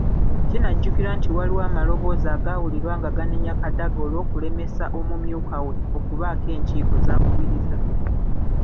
Kinajjukirwa nti waliwo amaloboozi agaawulirwa nga ganenya Kadaga olw'okulemesa omumyuka we okubaako enkiiko z'akubiriza.